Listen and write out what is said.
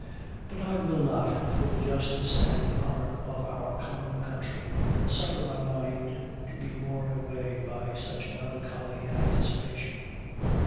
But I will not, for the justice and honor of our common country, suffer my mind to be borne away by such melancholy anticipation.